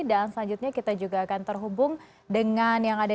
dan selanjutnya kita juga akan terhubung dengan yang lainnya